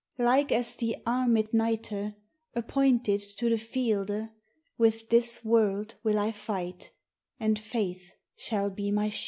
] Like as the armed Knighte, Appointed to the fielde. With this world wil I fight, And faith shal be my shilde.